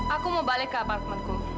aku mau balik ke apartemenku